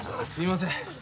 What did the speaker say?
すみません。